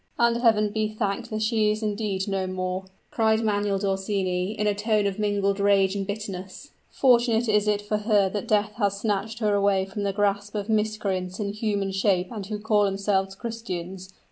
"And Heaven be thanked that she is indeed no more!" cried Manuel d'Orsini, in a tone of mingled rage and bitterness. "Fortunate is it for her that death has snatched her away from the grasp of miscreants in human shape and who call themselves Christians.